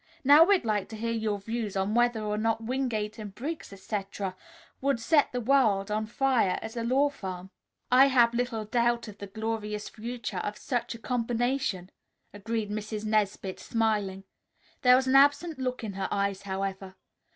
Now we'd like to hear your views on whether or not Wingate and Briggs, etc., would set the world on fire as a law firm." "I have little doubt of the glorious future of such a combination," agreed Mrs. Nesbit, smiling. There was an absent look in her eyes, however.